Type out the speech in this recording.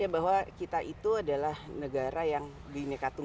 ya bahwa kita itu adalah negara yang binekaan